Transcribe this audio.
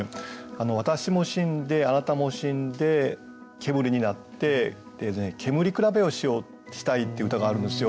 「私も死んであなたも死んで煙になって煙くらべをしたい」っていう歌があるんですよ。